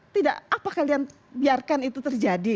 tidak apa kalian biarkan itu terjadi